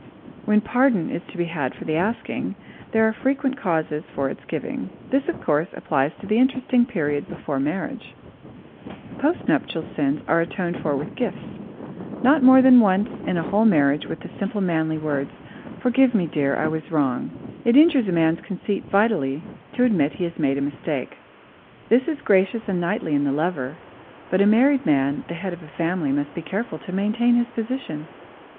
When pardon is to be had for the asking, there are frequent causes for its giving. This, of course, applies to the interesting period before marriage. [Sidenote: Post Nuptial Sins] Post nuptial sins are atoned for with gifts; not more than once in a whole marriage with the simple, manly words, "Forgive me, dear, I was wrong." It injures a man's conceit vitally to admit he has made a mistake. This is gracious and knightly in the lover, but a married man, the head of a family, must be careful to maintain his position.